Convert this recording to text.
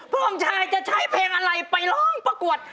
ผู้ชายจะใช้เพลงอะไรไปร้องประกวด